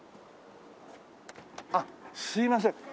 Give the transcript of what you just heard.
あっすいません。